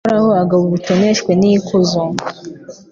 Uhoraho agaba ubutoneshwe n’ikuzo